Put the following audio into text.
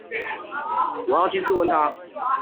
我要親自問他